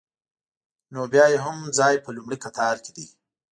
نو بیا یې هم ځای په لومړي قطار کې دی.